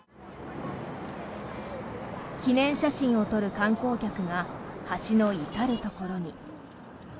記念写真を撮る観光客が橋の至るところに。